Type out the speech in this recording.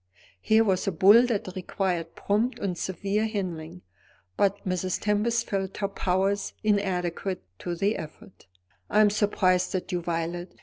Here was a bull that required prompt and severe handling, but Mrs. Tempest felt her powers inadequate to the effort. "I am surprised at you, Violet!"